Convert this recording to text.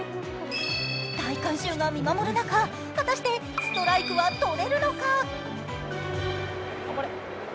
大観衆が見守る中、果たしてストライクはとれるのか？